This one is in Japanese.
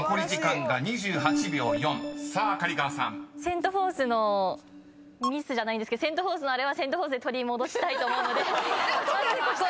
セント・フォースのミスじゃないですけどセント・フォースのあれはセント・フォースで取り戻したいと思うのでここで。